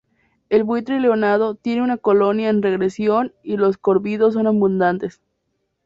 El buitre leonado tiene una colonia en regresión y los córvidos son abundantes.